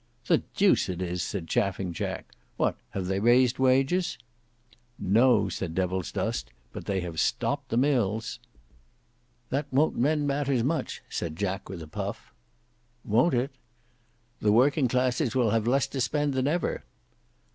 "The deuce it is," said Chaffing Jack. "What, have they raised wages?" "No," said Devilsdust, "but they have stopped the mills." "That won't mend matters much," said Jack with a puff. "Won't it?" "The working classes will have less to spend than ever."